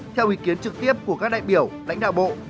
theo ý kiến trực tiếp của các đại biểu lãnh đạo bộ